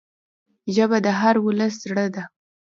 ژبه د هر ولس زړه ده